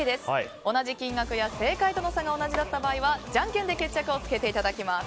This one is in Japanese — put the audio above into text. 同じ金額や正解との差が同じだった場合はじゃんけんで決着をつけていただきます。